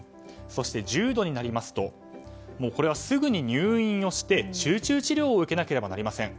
そして重度になりますとこれはすぐに入院をして集中治療を受けなければなりません。